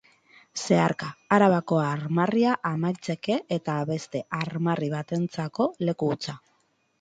Zeharka: Arabako armarria amaitzeke eta beste armarri batentzako leku hutsa.